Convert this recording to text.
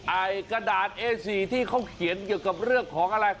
ไอ้กระดาษเอสีที่เขาเขียนเกี่ยวกับเรื่องของอะไร